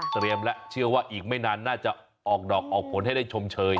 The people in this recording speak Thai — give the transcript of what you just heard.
และเชื่อว่าอีกไม่นานน่าจะออกดอกออกผลให้ได้ชมเชย